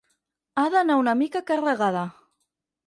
Ha d'anar una mica carregada.